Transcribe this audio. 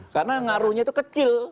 karena ngaruhnya itu kecil